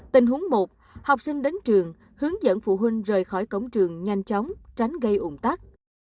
tình huống một học sinh đến trường hướng dẫn phụ huynh rời khỏi cổng trường nhanh chóng tránh gây ủng tắc